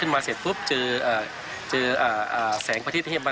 ไม่ใช่ค่ะ